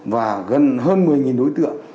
và gần hơn một mươi đối tượng